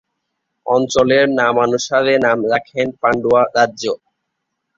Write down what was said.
অঞ্চলের নামানুসারে নাম রাখেন পান্ডুয়া রাজ্য।